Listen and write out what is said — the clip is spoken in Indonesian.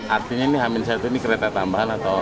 artinya ini hamil satu ini kereta tambahan atau